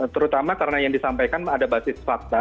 terutama karena yang disampaikan ada basis fakta